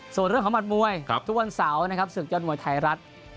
ส่วนเรื่องของหัดมวยทุกวันเสาร์นะครับศึกยอดมวยไทยรัฐ